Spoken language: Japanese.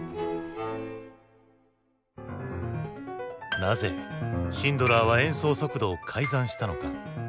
なぜシンドラーは演奏速度を改ざんしたのか？